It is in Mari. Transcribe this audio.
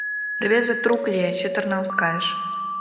Рвезе трук лие, чытырналт кайыш.